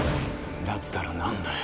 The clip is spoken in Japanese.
だったらなんだよ。